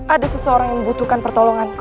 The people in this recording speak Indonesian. ada seseorang yang membutuhkan pertolonganku